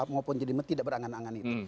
maupun jadi tidak berangan angan itu